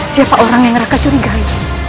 siapa orang yang raka curingkai